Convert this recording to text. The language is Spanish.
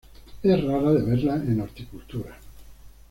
Es rara de verla en horticultura.